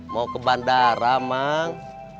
mau ke bandara mang